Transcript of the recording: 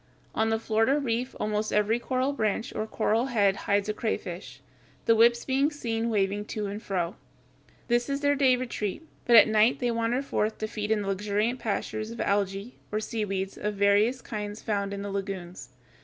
On the Florida Reef almost every coral branch or coral head hides a crayfish, the whips being seen waving to and fro. This is their day retreat, but at night they wander forth to feed in the luxuriant pastures of Algæ, or seaweeds, of various kinds found in the lagoons.